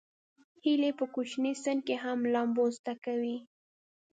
هیلۍ په کوچني سن کې هم لامبو زده کوي